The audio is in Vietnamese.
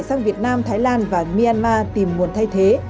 sang việt nam thái lan và myanmar tìm nguồn thay thế